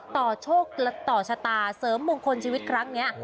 ต่อโชคและต่อชะตาเสริมมุงคนชีวิตครั้งนี้